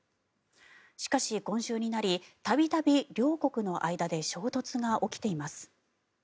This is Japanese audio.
しかし、今週になり度々、両国の間で衝突が起きています。